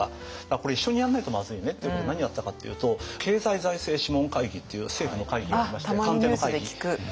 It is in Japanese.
これ一緒にやんないとまずいねっていうことで何をやったかというと経済財政諮問会議っていう政府の会議がありまして。